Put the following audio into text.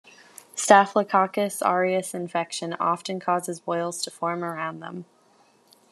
Staphylococcus aureus infection often causes boils to form around them.